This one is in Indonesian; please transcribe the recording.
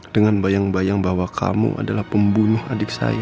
dengan bayang bayang bahwa kamu adalah pembunuh adik saya